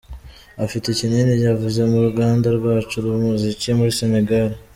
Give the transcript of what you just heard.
Afite kinini avuze mu ruganda rwacu rw’umuziki muri Senegal….